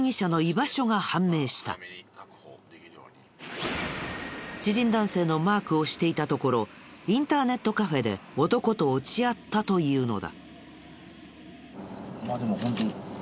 なんと知人男性のマークをしていたところインターネットカフェで男と落ち合ったというのだ。